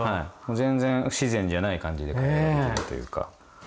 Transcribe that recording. もう全然不自然じゃない感じで会話ができるというか。